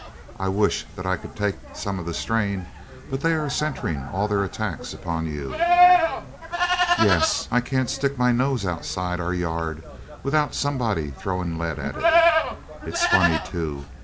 I wish that I could take some of the strain, but they are centering all their attacks upon you." "Yes I can't stick my nose outside our yard without somebody throwing lead at it. It's funny, too.